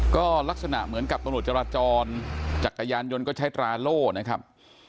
ก็ลักษณะเหมือนกับตำรวจจราจรจักรยานยนต์ก็ใช้ตราโล่นะครับ